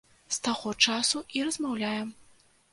З таго часу і размаўляем.